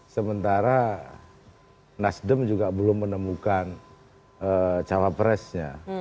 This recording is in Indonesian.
sementara nasdem juga belum menemukan cawapresnya